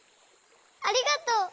ありがとう！